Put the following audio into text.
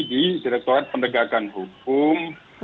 di direktorat pendegakan hukum